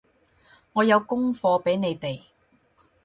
我有功課畀你哋